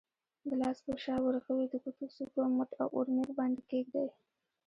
د لاس په شا، ورغوي، د ګوتو څوکو، مټ او اورمیږ باندې کېږدئ.